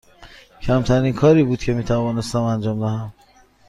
کمترین کاری بود که می توانستم انجام دهم.